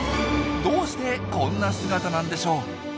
どうしてこんな姿なんでしょう？